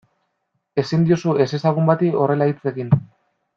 Ezin diozu ezezagun bati horrela hitz egin.